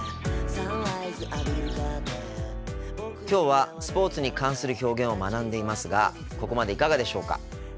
今日はスポーツに関する表現を学んでいますがここまでいかがでしょうか？